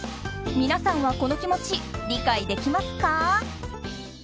皆さんはこの気持ち理解できますか。